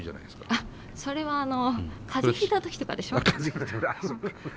あっそれは風邪ひいた時とかでしょ？あっそっか。